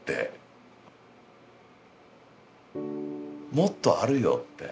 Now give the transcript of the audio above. もっとあるよって。